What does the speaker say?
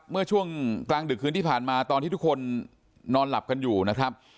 เมื่อช่วงกลางดึกคืนที่ผ่านมาตอนที่ทุกคนนอนหลับกันอยู่นะครับ